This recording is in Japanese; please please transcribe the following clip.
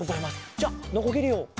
じゃノコギリを。